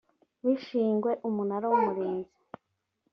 bishingwe umunara w umurinzi